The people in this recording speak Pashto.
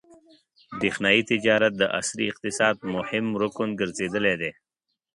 برېښنايي تجارت د عصري اقتصاد مهم رکن ګرځېدلی دی.